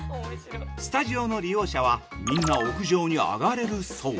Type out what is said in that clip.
スタジオの利用者はみんな屋上に上がれるそう。